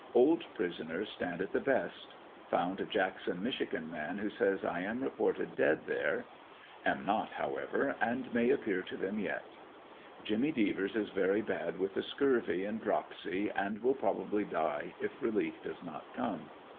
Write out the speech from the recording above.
Old prisoners stand it the best. Found a Jackson, Michigan man, who says I am reported dead there. Am not, however, and may appear to them yet. Jimmy Devers is very bad with the scurvy and dropsy and will probably die if relief does not come.